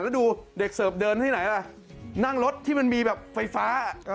แล้วดูเด็กเสิร์ฟเดินที่ไหนล่ะนั่งรถที่มันมีแบบไฟฟ้า